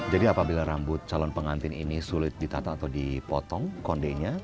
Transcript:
jadi apabila rambut calon pengantin ini sulit ditata atau dipotong kondenya